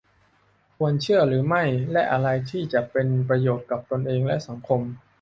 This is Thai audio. ควรเชื่อหรือไม่ และอะไรที่จะเป็นประโยชน์กับตนเอง และ สังคม